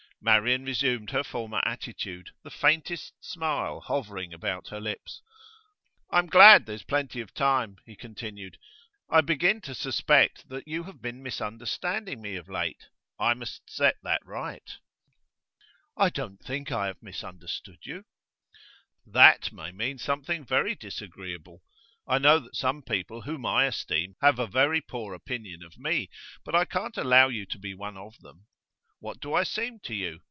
Marian resumed her former attitude, the faintest smile hovering about her lips. 'I'm glad there's plenty of time,' he continued. 'I begin to suspect that you have been misunderstanding me of late. I must set that right.' 'I don't think I have misunderstood you.' 'That may mean something very disagreeable. I know that some people whom I esteem have a very poor opinion of me, but I can't allow you to be one of them. What do I seem to you?